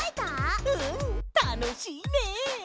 うんたのしいね！